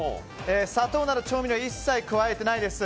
砂糖など調味料は一切加えてないです。